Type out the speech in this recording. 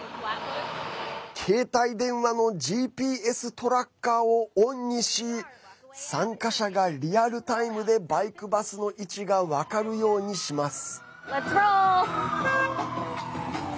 携帯電話のＧＰＳトラッカーをオンにし参加者がリアルタイムでバイクバスの位置が分かるようにします。